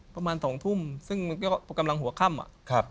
ประมาณ๒ทุ่มซึ่งกำลังหัวข้ำอะ